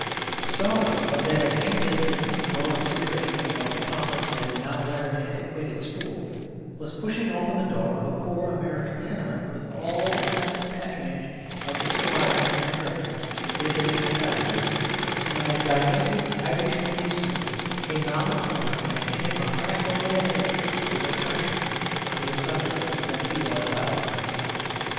The story was that an Anglican Lord Spiritual, of the pompous and now rather antiquated school, was pushing open the door of a poor American tenement with all the placid patronage of the squire and rector visiting the cottagers, when a gigantic Irish policeman came round the corner and hit him a crack over the head with a truncheon on the assumption that he was a house breaker.